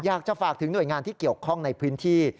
อยากจะฝากถึงหน่วยงานที่เกี่ยวข้องในพื้นที่